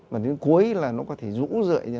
và đến cuối là nó có thể rũ rợi